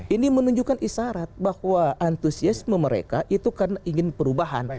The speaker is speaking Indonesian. ini menunjukkan isarat bahwa antusiasme mereka itu karena ingin perubahan